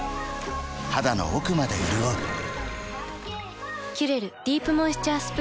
肌の奥まで潤う「キュレルディープモイスチャースプレー」